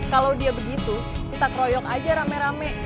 kalau dia begitu kita kroyok aja rame rame